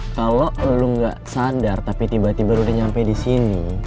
kalo lo gak sadar tapi tiba tiba udah nyampe disini